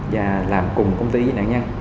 và làm cùng công ty với nạn nhân